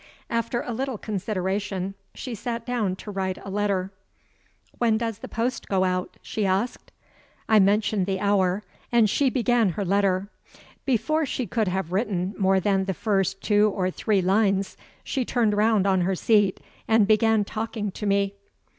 After a little consideration, she sat down to write a letter. "When does the post go out?" she asked. I mentioned the hour; and she began her letter. Before she could have written more than the first two or three lines, she turned round on her seat, and began talking to me.